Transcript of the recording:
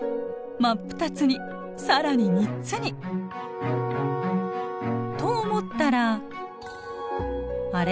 真っ二つに更に３つに！と思ったらあれ？